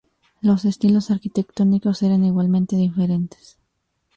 Los estilos arquitectónicos eran igualmente diferentes.